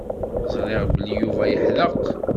Ẓriɣ belli Yuba yeḥdeq.